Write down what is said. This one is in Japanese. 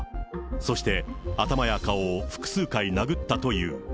そして、頭や顔を複数回殴ったという。